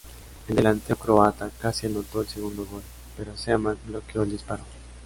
El delantero croata casi anotó el segundo gol, pero Seaman bloqueo el disparo.